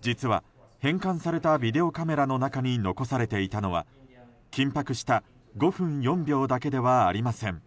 実は、返還されたビデオカメラの中に残されていたのは緊迫した５分４秒だけではありません。